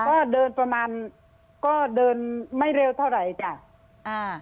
ก็เดินประมาณก็เดินไม่เร็วเท่าไหร่จ้ะอ่า